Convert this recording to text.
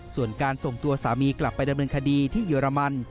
ส่วนการส่งตัวสามีกลับไปดำเนินคดีที่เยอรมัน